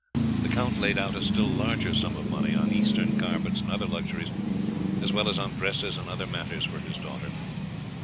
The count laid out a still larger sum of money on Eastern carpets and other luxuries, as well as on dresses and other matters for his daughter.